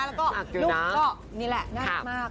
แล้วก็ลูกก็นี่แหละน่ารักมาก